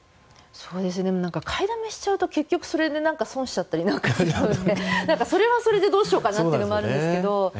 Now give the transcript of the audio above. でも、買いだめしちゃうと結局それで損しちゃったりなんかするのでそれはそれでどうしようかなというのもあるんですけど。